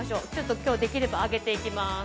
今日、できれば上げていきます。